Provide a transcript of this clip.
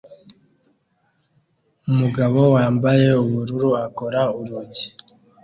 Umugabo wambaye ubururu akora urunigi